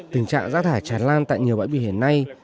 tình trạng rác thải tràn lan tại nhiều bãi biển hiện nay